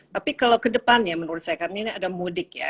tapi kalau ke depan ya menurut saya karena ini ada mudik ya